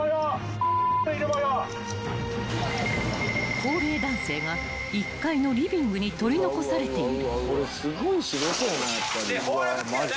［高齢男性が１階のリビングに取り残されている］